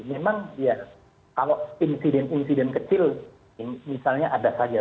memang ya kalau insiden insiden kecil misalnya ada saja